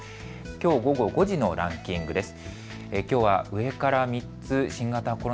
きょう午後５時のランキングです。